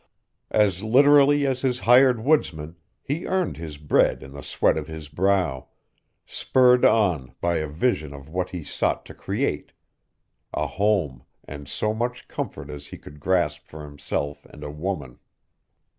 As literally as his hired woodsmen, he earned his bread in the sweat of his brow, spurred on by a vision of what he sought to create, a home and so much comfort as he could grasp for himself and a woman.